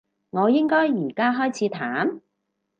我應該而家開始彈？